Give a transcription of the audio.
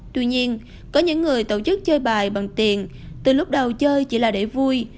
tuy nhiên có những người tổ chức chơi bài bằng tiền từ lúc đầu chơi chỉ là để vui